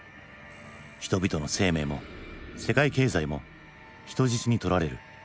人々の生命も世界経済も人質にとられる。